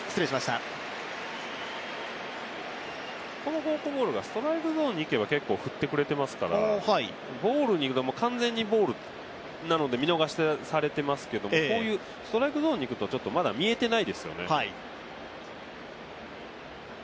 このフォークボールがストライクゾーンにいけば結構振ってくれていますから、ボールにいくと、完全にボールなので見逃しされてますけどもこういうストライクゾーンにいくと、ちょっとまだ見えてないですよね。